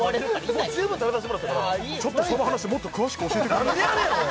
もう十分食べさせてもらったからちょっとその話もっと詳しく教えてくれないか何でやねん！